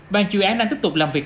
bàn chủ án đang tiếp tục làm việc